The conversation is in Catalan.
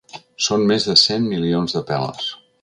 Són més de cent milions de peles.